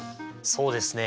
そうですね。